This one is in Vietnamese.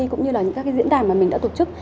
cũng như là những các cái diễn đàn mà mình đã tổ chức